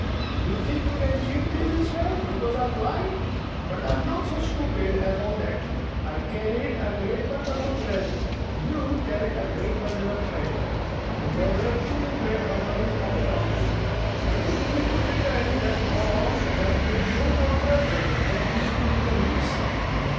You think you can cheat me in this way because I am blind; but I'm not so stupid as all that, I carried a great bundle of treasure, you carried a great bundle of treasure, and there were two great bundles on the Donkey. Do you mean to pretend that all that made no more treasure than these two little heaps!